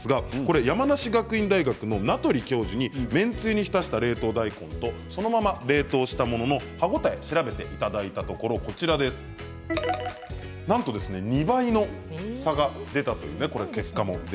山梨学院大学の名取教授に麺つゆに浸した冷凍大根とそのまま冷凍したものの歯応えを調べていただいたところ２倍の差が出たんです。